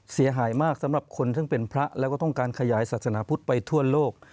เสียหายมากสำหรับคนซึ่งเป็นพระแล้วก็ต้องการขยายศาสนาพุทธไปทั่วโลก